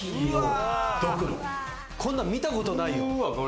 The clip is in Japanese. こんなの見たことないよ。